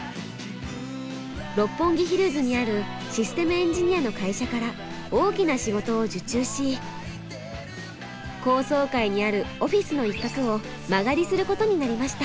六本木ヒルズにあるシステムエンジニアの会社から大きな仕事を受注し高層階にあるオフィスの一角を間借りすることになりました。